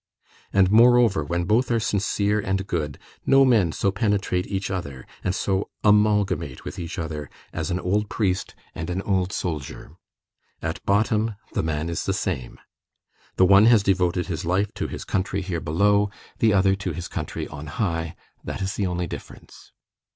And moreover, when both are sincere and good, no men so penetrate each other, and so amalgamate with each other, as an old priest and an old soldier. At bottom, the man is the same. The one has devoted his life to his country here below, the other to his country on high; that is the only difference.